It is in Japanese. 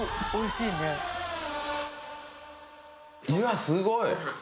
いやすごい。